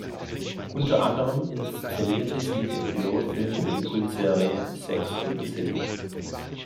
Unter anderem inszenierte sie den Pilotfilm für die Kultserie "Sex and the City".